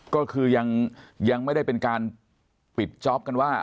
ก็คือยังไม่ได้เป็นการปิดจ๊อปกันว่า